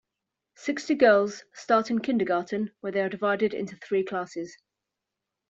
Sixty girls start in kindergarten, where they are divided into three classes.